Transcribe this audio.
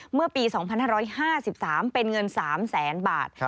เมื่อปี๒๕๕๓เป็นเงิน๓แสนบาท